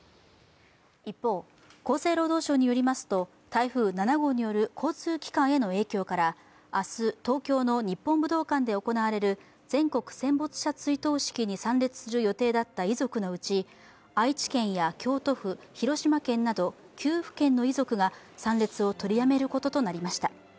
一方、厚生労働省によりますと台風７号の交通機関への影響から明日、東京の日本武道館で行われる全国戦没者追悼式に参列する予定だった遺族のうち愛知県や京都府、広島県など９府県の遺族が参列を取りやめることとなりました。